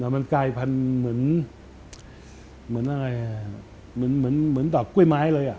มันกลายพันธุ์เหมือนต่อกุ้ยไม้เลย